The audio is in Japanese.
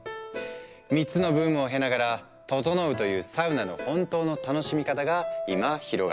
３つのブームを経ながら「ととのう」というサウナの本当の楽しみ方が今広がっている。